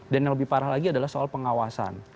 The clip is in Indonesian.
dan yang lebih parah lagi adalah soal pengawasan